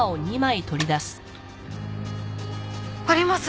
あります